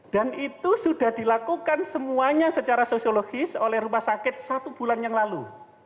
dan itu sudah dilakukan semuanya secara sosiologis oleh rumah sakit satu bulan yang lalu